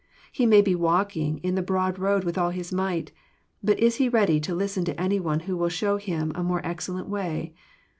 He may be walking in the broad road with all his might. But is he ready to listen to any one who will show him a more excellent way?